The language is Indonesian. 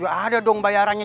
ya ada dong bayarannya